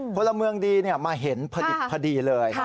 พลเมืองดีมาเห็นพอดีเลย